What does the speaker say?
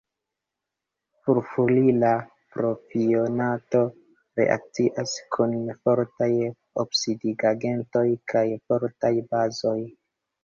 Furfurila propionato reakcias kun fortaj oksidigagentoj kaj fortaj bazoj.